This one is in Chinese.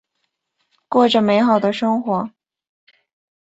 过着美好的生活。